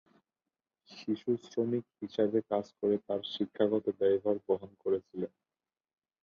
শিশুশ্রমিক হিসাবে কাজ করে তার শিক্ষাগত ব্যয়ভার বহন করেছিলেন।